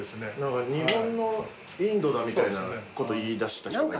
日本のインドだみたいなこと言いだした人がいて。